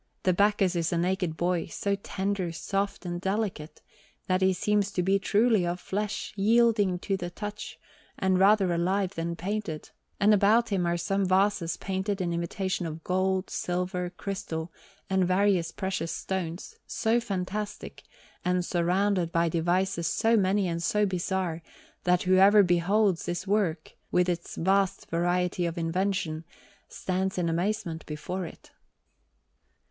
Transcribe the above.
The Bacchus is a naked boy, so tender, soft, and delicate, that he seems to be truly of flesh, yielding to the touch, and rather alive than painted; and about him are some vases painted in imitation of gold, silver, crystal, and various precious stones, so fantastic, and surrounded by devices so many and so bizarre, that whoever beholds this work, with its vast variety of invention, stands in amazement before it.